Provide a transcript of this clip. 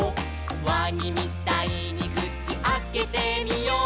「わにみたいにくちあけてみよう」